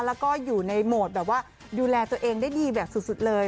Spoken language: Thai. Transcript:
แล้วก็อยู่ในโหมดแบบว่าดูแลตัวเองได้ดีแบบสุดเลย